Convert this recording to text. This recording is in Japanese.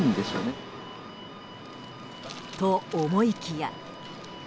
と、思いきや。